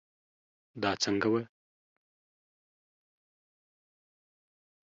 دا څنګه وه